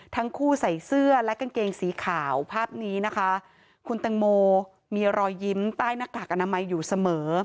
ทั้งคู่ใส่เสื้อและกางเกงสีขาวภาพนี้นะคะคุณตังโมมีรอยยิ้มใต้หน้ากากอนามัยอยู่เสมอ